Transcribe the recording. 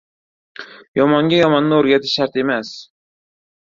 • Yomonga yomonni o‘rgatish shart emas.